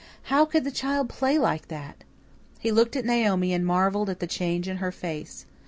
How could the child play like that? He looked at Naomi and marvelled at the change in her face.